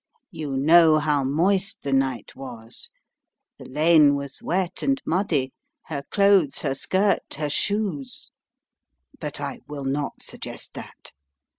" You know how moist the night was. The lane was wet and muddy. Her clothes, her skirt, her shoes But I will not suggest that."